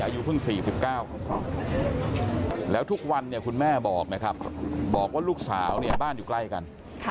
อายุเพิ่ง๔๙แล้วทุกวันเนี่ยคุณแม่บอกนะครับบอกว่าลูกสาวเนี่ยบ้านอยู่ใกล้กัน